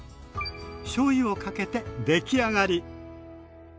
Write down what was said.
しょうゆをかけてできあがり。